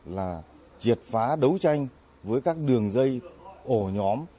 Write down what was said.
là triệt phá đấu tranh với các đường dây ổ nhóm